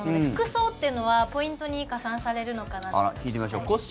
服装というのはポイントに加算されるのかなと。